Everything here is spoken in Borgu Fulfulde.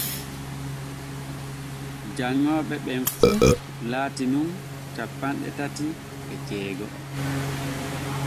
Janŋooɓe ɓen fu laati nun cappanɗe tati e jeego’o.